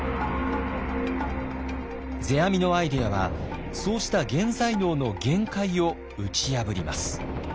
世阿弥のアイデアはそうした現在能の限界を打ち破ります。